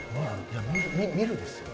「見る」ですよ？